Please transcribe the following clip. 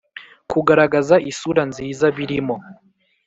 Kugaragaza isura nziza birimo